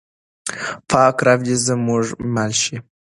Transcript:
پاک رب دې زموږ مل شي.